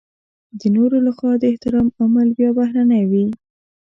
د نورو لخوا د احترام عامل بيا بهرنی وي.